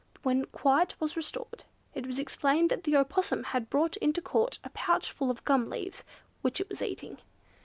When quiet was restored, it was explained that the Opossum had brought into Court a pouch full of gum leaves, which it was eating.